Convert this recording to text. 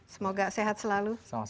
semoga sehat selalu